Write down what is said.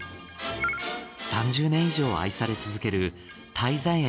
３０年以上愛され続ける泰山園